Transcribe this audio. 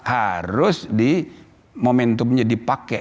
harus di momentumnya dipakai